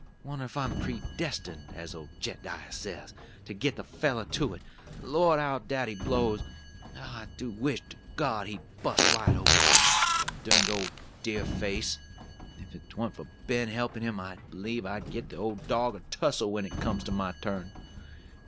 Wonder if I'm 'predestinated,' as old Jed'diah says, to git the feller to it? Lord, how daddy blows! I do wish to God he'd bust wide open, the durned old deer face! If 'twa'n't for Ben helpin' him, I b'lieve I'd give the old dog a tussel when it comes to my turn.